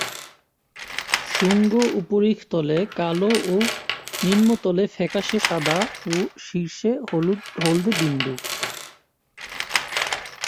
শুঙ্গ উপরিতলে কালো ও নিম্নতলে ফ্যাকাশে সাদা ও শীর্ষে হলদে বিন্দু।